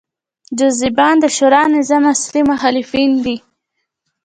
حزبیان د شورا نظار اصلي مخالفین دي.